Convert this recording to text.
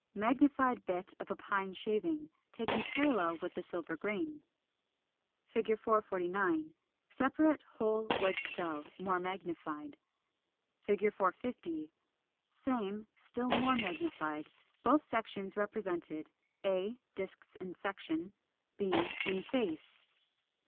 Magnified bit of a pine shaving, taken parallel with the silver grain. 449. Separate whole wood cell, more magnified. 450. Same, still more magnified; both sections represented: a, disks in section, b, in face.